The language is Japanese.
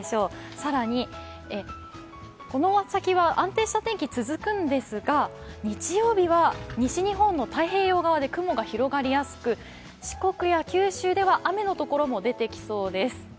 更にこの先は安定した天気が続くんですが、日曜日は西日本の太平洋側で雲が広がりやすく四国や九州では雨のところも出てきそうです。